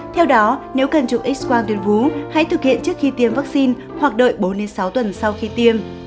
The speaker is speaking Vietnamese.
theo đó nếu cần chụp x quang tuyên vú hãy thực hiện trước khi tiêm vaccine hoặc đợi bốn sáu tuần sau khi tiêm